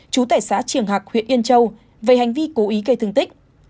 chú tải xã triềng hạc huyện yên châu về hành vi cố ý gây thương tích